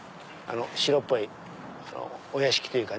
白っぽいお屋敷というか。